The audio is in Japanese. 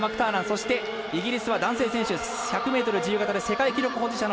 そして、イギリスは男性選手１００ｍ自由形で世界記録保持者